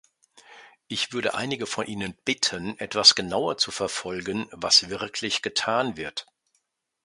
Ich würde einige von Ihnen bitten, etwas genauer zu verfolgen, was wirklich getan wird.